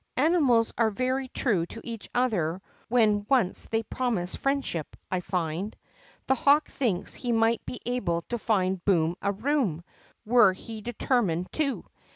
Animals are very true to each other when once they promise friendship, I find. The hawk thinks he might be able to find Boom a Koom, were he determined to.